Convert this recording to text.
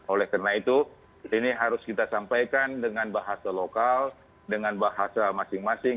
oleh karena itu ini harus kita sampaikan dengan bahasa lokal dengan bahasa masing masing